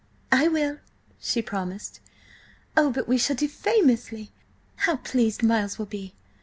"I will," she promised. "Oh, but we shall do famously! How pleased Miles will be!